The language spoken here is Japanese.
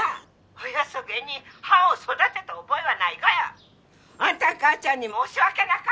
☎おいはそげんにはんを育てた覚えはないがやあんたんかーちゃんに申し訳なか！